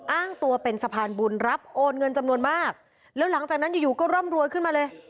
อ้างตัวเป็นสะพานบุญรับโอนเงินจำนวนมากแล้วหลังจากนั้นอยู่อยู่ก็ร่ำรวยขึ้นมาเลย